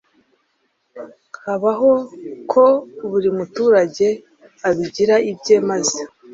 habaho ko buri muturage abigira ibye maze